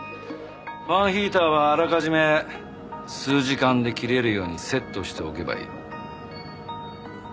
ファンヒーターはあらかじめ数時間で切れるようにセットしておけばいい。